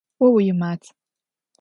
О уимат.